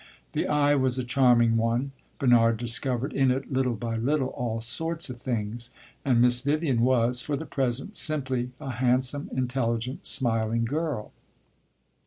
The eye was a charming one; Bernard discovered in it, little by little, all sorts of things; and Miss Vivian was, for the present, simply a handsome, intelligent, smiling girl.